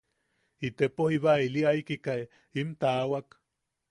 Itepo jiba ili jaikika im taawak.